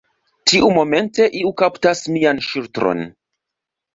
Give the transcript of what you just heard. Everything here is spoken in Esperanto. Tiumomente iu kaptas mian ŝultron.